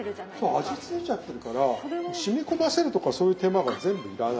そう味付いちゃってるからしみこませるとかそういう手間が全部要らない。